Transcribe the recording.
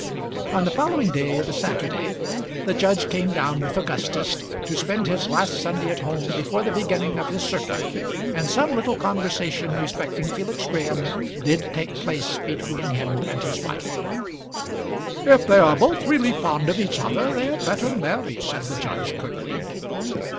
On the following day, the Saturday, the judge came down with Augustus, to spend his last Sunday at home before the beginning of his circuit, and some little conversation respecting Felix Graham did take place between him and his wife. "If they are both really fond of each other, they had better marry," said the judge, curtly.